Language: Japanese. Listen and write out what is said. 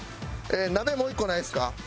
鍋もう一個ないですか？